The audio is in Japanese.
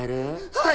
はい！